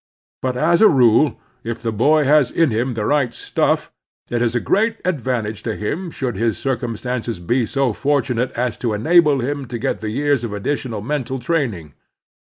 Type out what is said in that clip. But, as a rule, if the boy has in him the right stuff, it is a great advantage to him should his circum stances be so fortunate as to enable him to get the years of additional mental training.